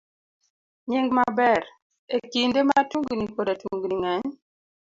B. Nying maber. E kinde ma tungni koda tungni ng'eny,